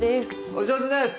お上手です！